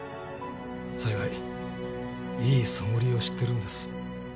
幸いいいソムリエを知ってるんです。